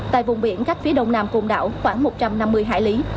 tại vùng biển cách phía đông nam côn đảo khoảng một trăm năm mươi hải lý